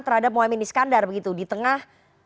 terhadap mohaimin iskandar begitu di tengah